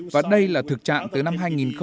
và đây là thực trạng từ năm hai nghìn một mươi